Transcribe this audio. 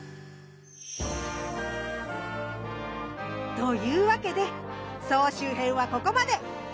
というわけで総集編はここまで！